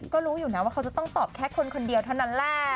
ก็รู้อยู่นะว่าเขาจะต้องตอบแค่คนคนเดียวเท่านั้นแหละ